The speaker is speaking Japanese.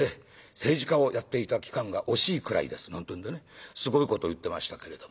政治家をやっていた期間が惜しいくらいです」なんてんでねすごいこと言ってましたけれども。